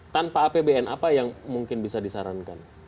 tanpa apbn apa yang mungkin bisa disarankan